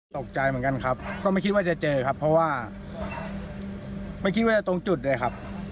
ตกใจเหมือนกันครับก็ไม่คิดว่าจะเจอครับเพราะว่าไม่คิดว่าจะตรงจุดเลยครับ